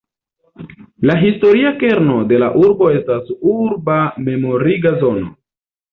La historia kerno de la urbo estas urba memoriga zono.